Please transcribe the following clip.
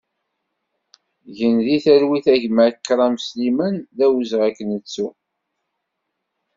Gen di talwit a gma Akram Sliman, d awezɣi ad k-nettu!